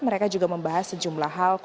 mereka juga membahas sejumlah hal